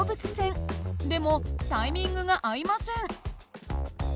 でもタイミングが合いません。